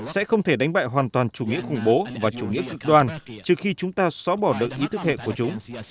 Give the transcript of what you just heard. sẽ không thể đánh bại hoàn toàn chủ nghĩa khủng bố và chủ nghĩa cực đoan trừ khi chúng ta xóa bỏ được ý thức hệ của chúng